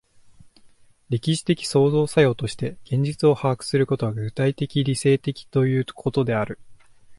歴史的創造作用として現実を把握することが、具体的理性的ということである。